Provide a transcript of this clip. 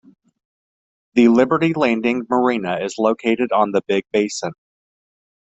The Liberty Landing Marina is located on the Big Basin.